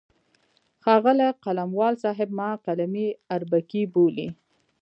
ښاغلی قلموال صاحب ما قلمي اربکی بولي.